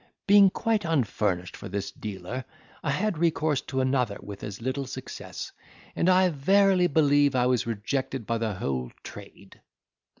Being quite unfurnished for this dealer, I had recourse to another with as little success; and I verily believe, was rejected by the whole trade.